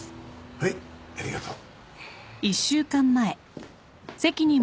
はいありがとう。